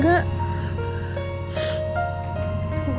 gua ajak bawa motor